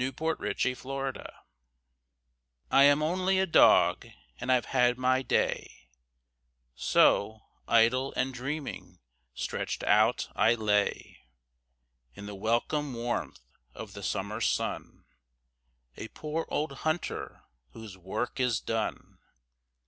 OLD MATTHEW'S DOG I am only a dog, and I've had my day; So, idle and dreaming, stretched out I lay In the welcome warmth of the summer sun, A poor old hunter whose work is done.